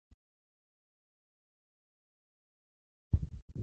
د ځمکې قطبونه په یخ پوښل شوي دي.